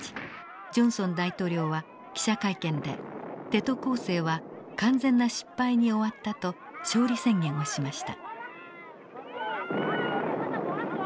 ジョンソン大統領は記者会見でテト攻勢は完全な失敗に終わったと勝利宣言をしました。